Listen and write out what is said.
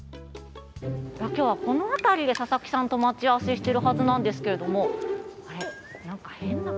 今日はこの辺りで佐々木さんと待ち合わせをしているはずなんですけど。